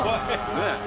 ねえ。